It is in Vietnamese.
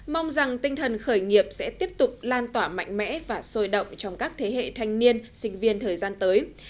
mong rằng tinh thần khởi nghiệp sẽ tiếp tục lan tỏa mạnh mẽ và sôi động trong các thế hệ thanh niên sinh viên thời gian tới